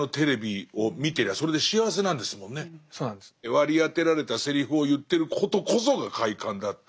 割り当てられたセリフを言ってることこそが快感だって。